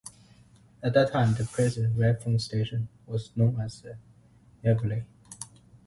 At that time, the present Redfern station was known as Eveleigh.